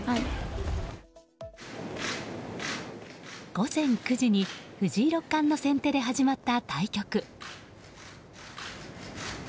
午前９時に藤井六冠の先手で始まった対局。